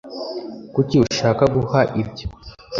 Kuki ushaka guha ibyo?